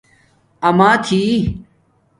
اماتھی